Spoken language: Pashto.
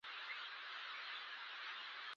هغه لاري نیولې او ریښتونی عیار وو.